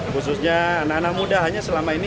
khususnya anak anak muda hanya selama ini